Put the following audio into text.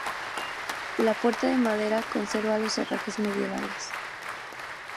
La puerta de madera conserva los herrajes medievales.